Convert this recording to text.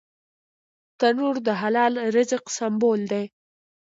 تنور د حلال رزق سمبول دی